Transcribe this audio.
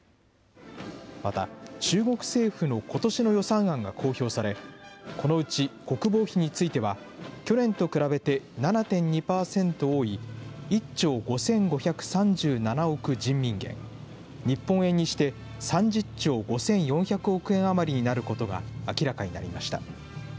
また、中国政府のことしの予算案が公表され、このうち国防費については、去年と比べて７．２％多い１兆５５３７億人民元、日本円にして３０兆５４００億円余りになることが明らかになりました。